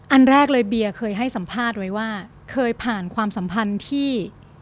อันแรกเลยเบียร์เคยให้สัมภาษณ์ไว้ว่าเคยผ่านความสัมพันธ์ที่